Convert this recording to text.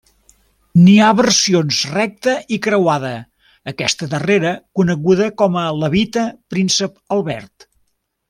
N'hi ha versions recta i creuada, aquesta darrera coneguda com a levita príncep Albert.